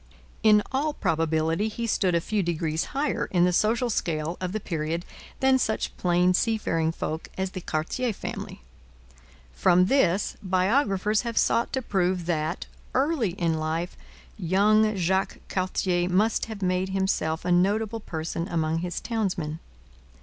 In all probability he stood a few degrees higher in the social scale of the period than such plain seafaring folk as the Cartier family. From this, biographers have sought to prove that, early in life, young Jacques Cartier must have made himself a notable person among his townsmen.